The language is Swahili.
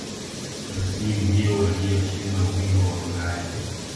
chelsea ndiyo waliyoshinda ubingwa wa ulaya